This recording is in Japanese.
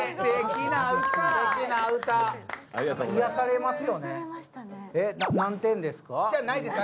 癒やされますよね。